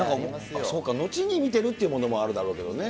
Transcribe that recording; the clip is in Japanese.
そうか、後に見てるというものもあるだろうけどね。